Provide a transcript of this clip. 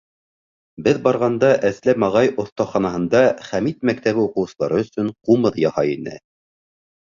Беҙ барғанда Әсләм ағай оҫтаханаһында Хәмит мәктәбе уҡыусылары өсөн ҡумыҙ яһай ине.